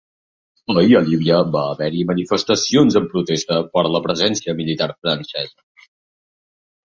Ahir a Líbia va haver-hi manifestacions en protesta per la presència militar francesa.